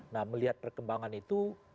nah melihat perkembangan itu